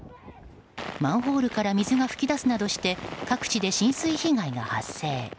マンホールから水が噴き出すなどして各地で浸水被害が発生。